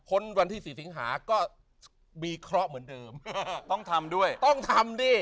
วันที่๔สิงหาก็วิเคราะห์เหมือนเดิมต้องทำด้วยต้องทำดิ